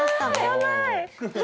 やばい！